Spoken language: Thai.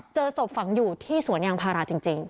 เจอศพฝังอยู่ที่สวนยางพาราจริง